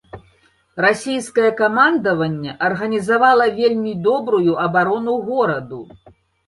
Расійскае камандаванне арганізавала вельмі добрую абарону гораду.